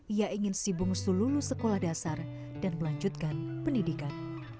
ia ingin sibung seluruh sekolah dasar dan melanjutkan pendidikan